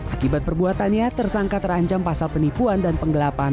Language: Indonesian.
akibat perbuatannya tersangka terancam pasal penipuan dan penggelapan